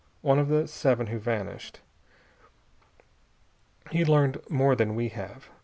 One of the seven who vanished. He'd learned more than we have.